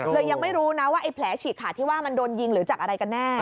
ยังไม่รู้นะว่าไอ้แผลฉีกขาดที่ว่ามันโดนยิงหรือจากอะไรกันแน่